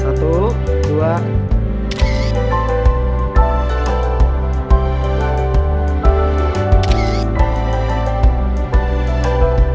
satu dua tiga